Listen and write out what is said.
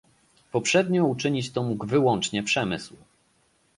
Poprzednio uczynić to mógł wyłącznie przemysł